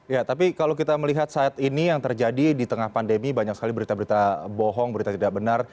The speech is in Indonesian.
ya tapi kalau kita melihat saat ini yang terjadi di tengah pandemi banyak sekali berita berita bohong berita tidak benar